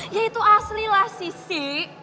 ya itu asli lah sisi